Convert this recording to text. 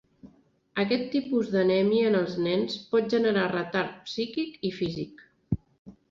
Aquest tipus d'anèmia en els nens pot generar retard psíquic i físic.